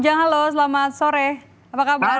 ujang komarudin pengambat politik dari universitas alazar